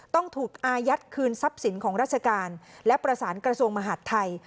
ต้องถูกอายัดคืนทรัพย์สินของราชการและประสานกระทรวงมหาดไทย